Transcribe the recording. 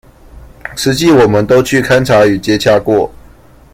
實際我們都去勘查與接洽過